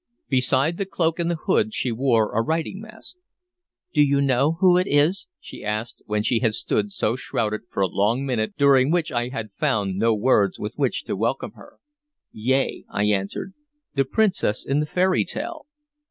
Beside the cloak and hood she wore a riding mask. "Do you know who it is?" she asked, when she had stood, so shrouded, for a long minute, during which I had found no words with which to welcome her. "Yea," I answered: "the princess in the fairy tale."